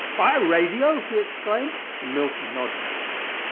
"By radio!" he exclaimed, and Milton nodded.